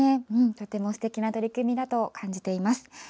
とてもすてきな取り組みだと感じています。